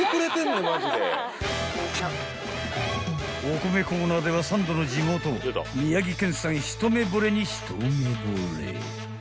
［お米コーナーではサンドの地元宮城県産ひとめぼれに一目ぼれ］